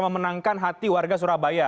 memenangkan hati warga surabaya